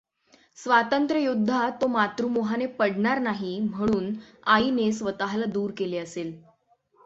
स्वातंत्र्ययुद्धात तो मातृमोहाने पडणार नाही, म्हणून आईने स्वतःला दूर केले असेल.